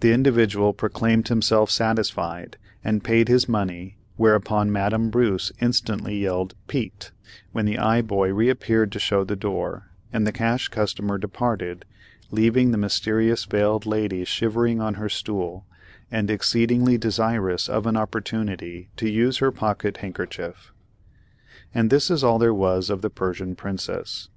The "Individual" proclaimed himself satisfied, and paid his money, whereupon Madame Bruce instantly yelled "Pete," when the Eye Boy reappeared to show the door, and the Cash Customer departed, leaving the Mysterious Veiled Lady shivering on her stool, and exceedingly desirous of an opportunity to use her pocket handkerchief. And this is all there was of the Persian Princess.